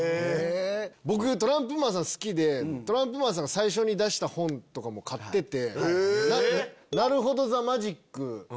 僕トランプマンさん好きでトランプマンさんが最初に出した本とかも買ってて。